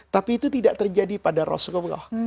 tapi itu tidak terjadi pada rasulullah